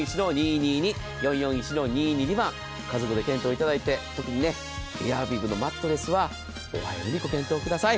家族で検討いただいて、特にエアウィーヴのマットレスはご検討ください。